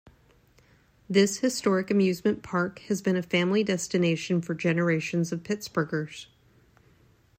This historic amusement park has been a family destination for generations of Pittsburghers.